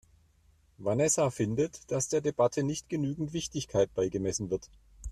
Vanessa findet, dass der Debatte nicht genügend Wichtigkeit beigemessen wird.